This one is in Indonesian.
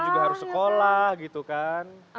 juga harus sekolah gitu kan